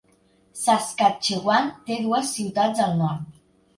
Saskatchewan té dues ciutats al nord.